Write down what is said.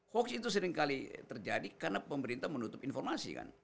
hoax itu seringkali terjadi karena pemerintah menutup informasi kan